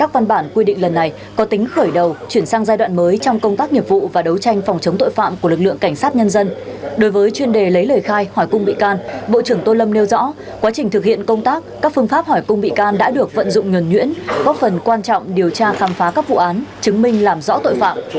đối với chuyên đề lấy lời khai hỏi cung bị can bộ trưởng tô lâm nêu rõ quá trình thực hiện công tác các phương pháp hỏi cung bị can đã được vận dụng nhuẩn nhuyễn góp phần quan trọng điều tra khám phá các vụ án chứng minh làm rõ tội phạm